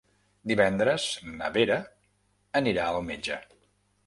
Divendres na Vera anirà al metge.